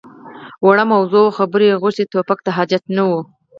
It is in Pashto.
_وړه موضوع وه، خبرې يې غوښتې. ټوپک ته حاجت نه و.